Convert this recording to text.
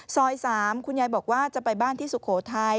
ซอย๓คุณยายบอกว่าจะไปบ้านที่สุโขทัย